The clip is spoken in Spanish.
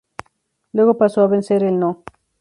Luego pasó a vencer al No.